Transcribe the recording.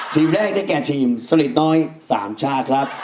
ทีมแรกนะแกทีมสลิดน้อยสามช่าครับ